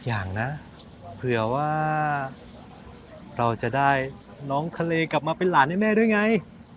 อย่างนะเผื่อว่าเราจะได้น้องทะเลกลับมาเป็นหลานให้แม่ด้วยไง